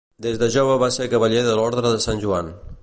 Des de jove va ser Cavaller de l'Orde de Sant Joan.